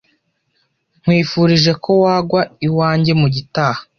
Nkwifurije ko wagwa iwanjye mugitaha.